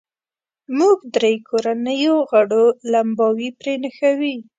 موږ درې کورنیو غړو لمباوې پرې نښوې.